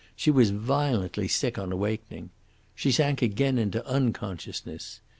She was violently sick on awakening. She sank again into unconsciousness.